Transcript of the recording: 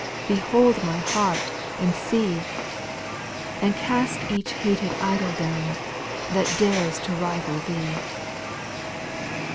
\J Behold my heart, and see I And cast each hated idol down, That dares to rival Thee.